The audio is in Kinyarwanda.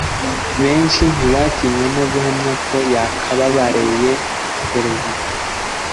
benshi ntibatinye no guhamya ko yakababareye perezida